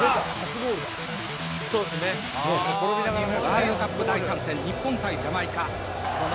ワールドカップ第３戦日本対ジャマイカ。